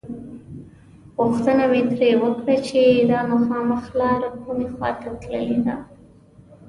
پوښتنه مې ترې وکړه چې دا مخامخ لاره کومې خواته تللې ده.